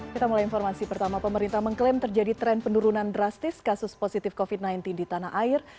kita mulai informasi pertama pemerintah mengklaim terjadi tren penurunan drastis kasus positif covid sembilan belas di tanah air